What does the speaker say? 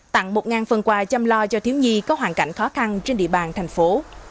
tặng một phần quà chăm lo cho thiếu nhi có hoàn cảnh khó khăn trên địa bàn thành phố